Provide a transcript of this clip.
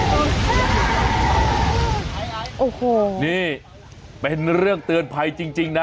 โอ้โหนี่เป็นเรื่องเตือนภัยจริงนะ